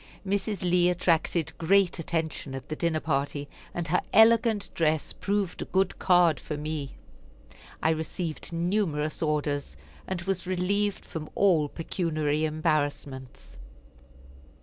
Mrs. Lee attracted great attention at the dinner party, and her elegant dress proved a good card for me. I received numerous orders, and was relieved from all pecuniary embarrassments.